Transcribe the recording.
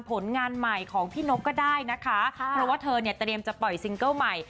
ผลงานใหม่ของพี่นกก็ได้นะคะเพราะว่าเธอเนี่ยเตรียมจะปล่อยซิงเกิ้ลใหม่